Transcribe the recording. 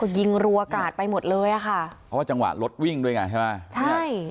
ยิงรัวกราดไปหมดเลยอ่ะค่ะเพราะว่าจังหวะรถวิ่งด้วยไงใช่ไหมใช่